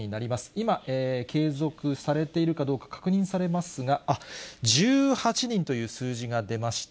今、継続されているかどうか確認されますが、１８人という数字が出ました。